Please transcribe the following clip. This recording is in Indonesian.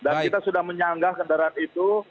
dan kita sudah menyanggah kendaraan itu